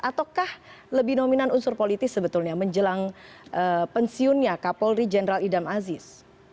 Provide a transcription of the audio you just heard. ataukah lebih dominan unsur politis sebetulnya menjelang pensiunnya kapolri jenderal idam aziz